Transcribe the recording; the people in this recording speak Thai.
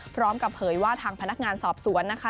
พร้อมกับเผยว่าทางพนักงานสอบสวนนะคะ